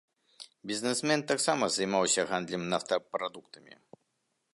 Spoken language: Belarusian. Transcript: Бізнесмен таксама займаўся гандлем нафтапрадуктамі.